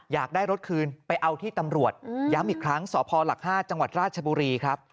อยากได้รถคืนไปเอาที่ตำรวจย้ำอีกครั้งสพหลัก๕จังหวัดราชบุรีครับ